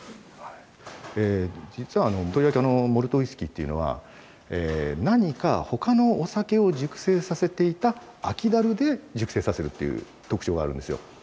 実はとりわけモルトウイスキーっていうのは何か他のお酒を熟成させていた空き樽で熟成させるっていう特徴があるんですよ。